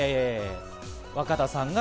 若田さんが。